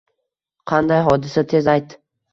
Qanday hodisa, tez ayt